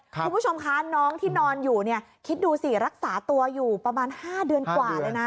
คุณผู้ชมคะน้องที่นอนอยู่เนี่ยคิดดูสิรักษาตัวอยู่ประมาณ๕เดือนกว่าเลยนะ